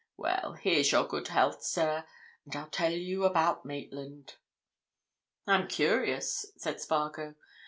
Well, here's your good health, sir, and I'll tell you about Maitland." "I'm curious," said Spargo.